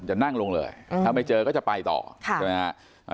จะนั่งลงเลยถ้าไม่เจอก็จะไปต่อใช่ไหมฮะ